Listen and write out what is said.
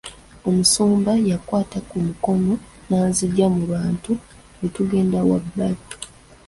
Omusumba yankwata ku mukono n'anzigya mu bantu ne tugenda wabbali.